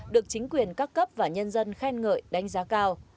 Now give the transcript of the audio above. được chính quyền các cấp và nhân dân khen ngợi đánh giá cao